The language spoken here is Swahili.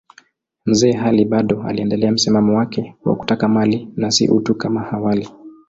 Mzee Ali bado aliendelea msimamo wake wa kutaka mali na si utu kama awali.